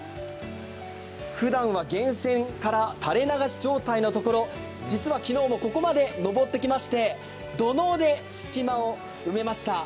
ふだんは源泉垂れ流し状態のところ、実は昨日、ここまで登ってきまして土のうですき間を埋めました。